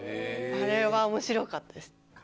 あれは面白かったです